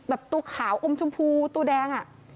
แบบตัวขาวอมชมพูตัวแดงอ่ะ